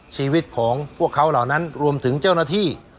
ชีวิตของพวกเขาเหล่านั้นรวมถึงเจ้าหน้าที่